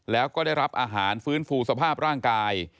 แล้วก็ได้รับอาหารฟื้นฟูสภาพร่างกาย